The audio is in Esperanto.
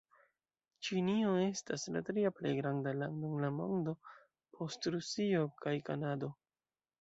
Ĉinio estas la tria plej granda lando en la mondo, post Rusio kaj Kanado.